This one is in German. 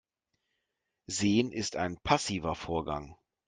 Sehen ist ein passiver Vorgang.